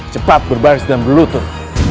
cepat berbaris dan berlutut